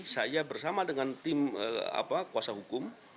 saya bersama dengan tim kuasa hukum